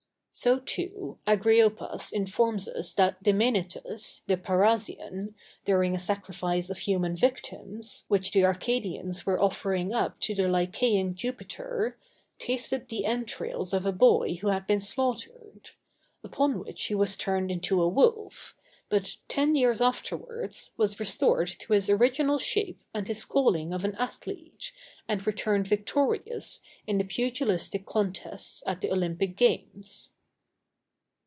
So, too, Agriopas informs us that Demænetus, the Parrhasian, during a sacrifice of human victims, which the Arcadians were offering up to the Lycæan Jupiter, tasted the entrails of a boy who had been slaughtered; upon which he was turned into a wolf, but, ten years afterwards, was restored to his original shape and his calling of an athlete, and returned victorious in the pugilistic contests at the Olympic games. [Illustration: VIPER, OR ADDER.—_Pelias Berus.